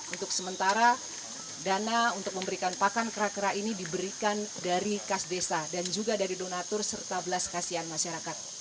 untuk sementara dana untuk memberikan pakan kera kera ini diberikan dari kas desa dan juga dari donatur serta belas kasihan masyarakat